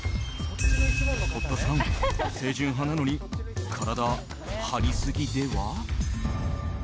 堀田さん、清純派なのに体張りすぎでは？